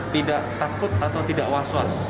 tidak takut atau tidak was was